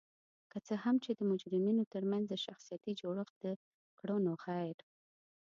که څه هم چې د مجرمینو ترمنځ د شخصیتي جوړخت د کړنو غیر